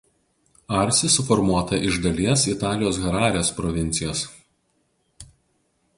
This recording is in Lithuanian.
Arsi suformuota iš dalies Italijos Hararės provincijos.